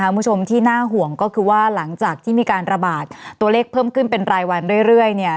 คุณผู้ชมที่น่าห่วงก็คือว่าหลังจากที่มีการระบาดตัวเลขเพิ่มขึ้นเป็นรายวันเรื่อยเนี่ย